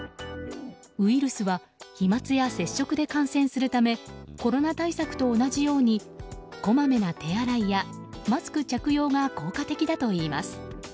ウイルスは飛沫や接触で感染するためコロナ対策と同じようにこまめな手洗いやマスク着用が効果的だといいます。